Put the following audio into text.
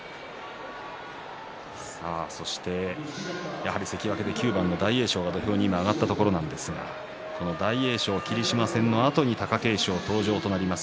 やはり関脇で９番の大栄翔が今土俵に上がったところなんですが大栄翔、霧島戦のあとに貴景勝登場となります。